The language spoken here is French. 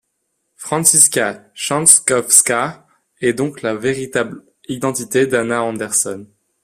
Franziska Schanzkowska est donc la véritable identité d'Anna Anderson.